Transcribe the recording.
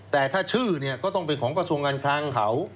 แต่ถ้าชื่อเนี่ยก็ต้องเป็นของกระทรวงการคลังเขา